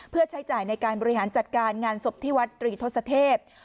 เพื่อใช้จ่ายในการบริหารจัดการงานศพที่วัดตรีทศเทพ